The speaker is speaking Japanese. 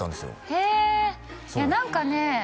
へえいや何かね